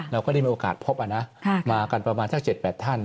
เราก็ได้มีโอกาสพบมากันประมาณสัก๗๘ท่าน